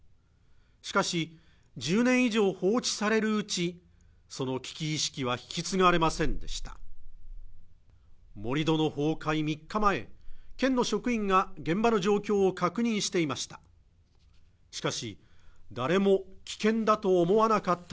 しかし１０年以上放置されるうちその危機意識は引き継がれませんでした盛り土の崩壊３日前県の職員が現場の状況を確認していました